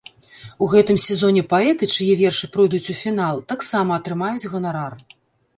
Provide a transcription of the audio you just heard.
У гэтым сезоне паэты, чые вершы пройдуць у фінал, таксама атрымаюць ганарар.